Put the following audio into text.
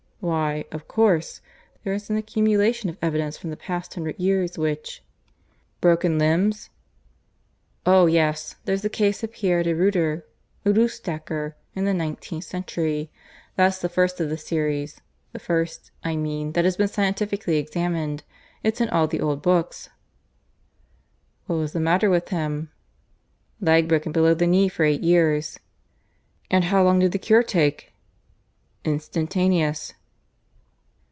"Why, of course. There is an accumulation of evidence from the past hundred years which " "Broken limbs?" "Oh yes; there's the case of Pierre de Rudder, at Oostacker, in the nineteenth century. That's the first of the series the first, I mean, that has been scientifically examined. It's in all the old books." "What was the matter with him?" "Leg broken below the knee for eight years." "And how long did the cure take?" "Instantaneous."